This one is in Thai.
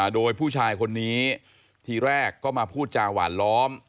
โดยผู้ชายคนนี้ทีแรกก็มาพูดจาหวานล้อม